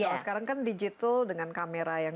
kalau sekarang kan digital dengan kamera yang